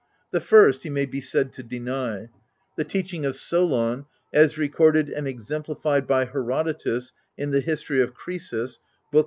The first, he may be said to deny. The teaching of Solon, as recorded and exemplified by Herodotus in the history of Crcesus (Book i.